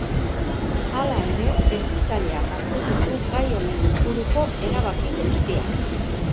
Hala ere, hezitzaileak hartu ditu gai honen inguruko erabaki guztiak.